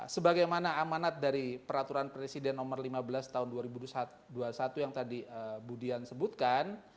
sebagaimana amanat dari peraturan presiden nomor lima belas tahun dua ribu dua puluh satu yang tadi bu dian sebutkan